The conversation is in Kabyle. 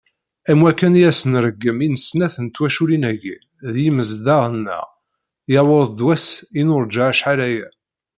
Am wakken i asen-nṛeggem i snat n twaculin-agi d yimezdaɣ-nneɣ, yewweḍ-d wass i nurǧa acḥal-aya.